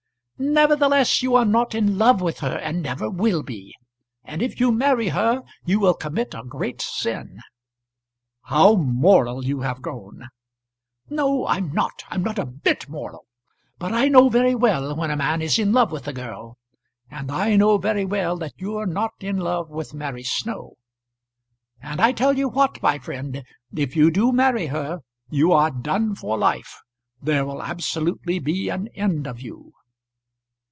"Nevertheless you are not in love with her, and never will be, and if you marry her you will commit a great sin." "How moral you have grown!" "No, I'm not. I'm not a bit moral. But I know very well when a man is in love with a girl, and I know very well that you're not in love with Mary Snow. And I tell you what, my friend, if you do marry her you are done for life. There will absolutely be an end of you."